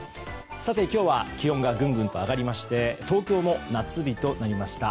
今日は気温がぐんぐんと上がりまして東京も夏日となりました。